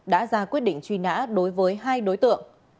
đã ra quyết định truy nã đối với hai đối tượng